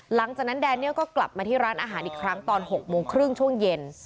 แดเนียลก็กลับมาที่ร้านอาหารอีกครั้งตอน๖โมงครึ่งช่วงเย็น